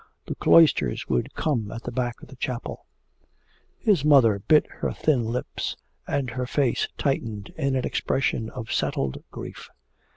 The cloisters would come at the back of the chapel.' His mother bit her thin lips, and her face tightened in an expression of settled grief.